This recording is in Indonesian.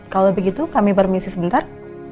kalau begitu kami permisi sebentar